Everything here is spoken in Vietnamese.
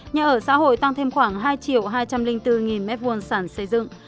nhà ở xã hội tăng thêm khoảng hai triệu hai trăm linh bốn m hai sàn xây dựng